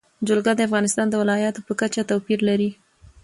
جلګه د افغانستان د ولایاتو په کچه توپیر لري.